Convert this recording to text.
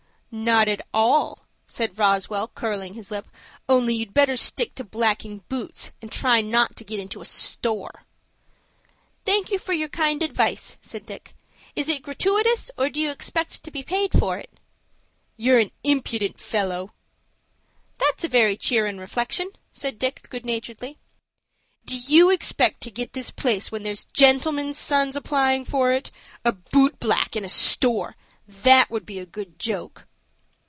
"Not at all," said Roswell, curling his lip; "only you'd better stick to blacking boots, and not try to get into a store." "Thank you for your kind advice," said Dick. "Is it gratooitous, or do you expect to be paid for it?" "You're an impudent fellow." "That's a very cheerin' reflection," said Dick, good naturedly. "Do you expect to get this place when there's gentlemen's sons applying for it? A boot black in a store! That would be a good joke."